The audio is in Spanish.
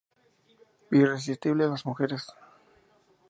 Irresistible a las mujeres".